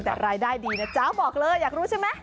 แต่รายได้ดีนะจ๊ะบอกเลยอยากรู้ใช่ไหม